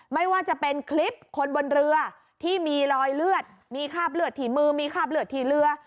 ไม่ว่าจะเป็นคลิปคนบนเรือที่มีรอยเลือดมีคราบเลือดที่มือมีคราบเลือดที่เรือ